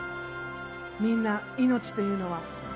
みんな、命というのは。